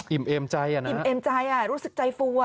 อิ่มเอมใจนะฮะอิ่มเอมใจอ่ะรู้สึกใจฟูอ่ะ